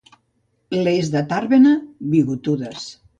Les de Tàrbena, bigotudes